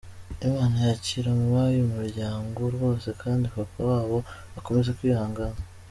lmana yakire mubayo uy’umuryango rwose!kandi papa wabo akomeze kwihangana.